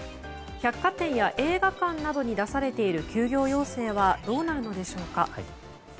百貨店や映画館などに出されている休業要請はどうなるのでしょうか。